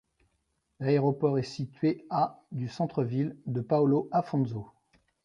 L'aéroport est situé à du centre-ville de Paulo Afonso.